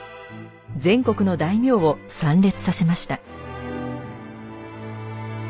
全国の大名を参列させました。